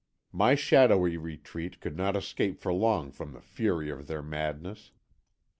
"My shadowy retreat could not escape for long from the fury of their madness.